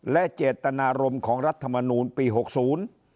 และเจตนารมณ์ของรัฐมนูลปีหกศูนย์